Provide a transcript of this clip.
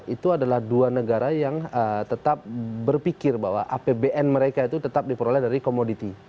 itu adalah dua negara yang tetap berpikir bahwa apbn mereka itu tetap diperoleh dari komoditi